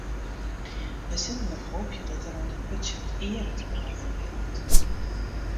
We sille mar hoopje dat der oan dit putsje wat eare te beheljen falt.